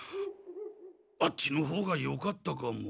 あっちのほうがよかったかも。